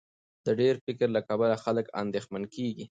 د ډېر فکر له کبله خلک اندېښمن کېږي.